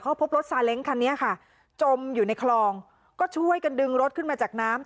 เขาพบรถซาเล้งคันนี้ค่ะจมอยู่ในคลองก็ช่วยกันดึงรถขึ้นมาจากน้ำ